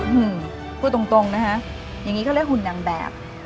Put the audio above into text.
พูดตรงนะคะอย่างนี้เขาเรียกหุ่นนางแบบ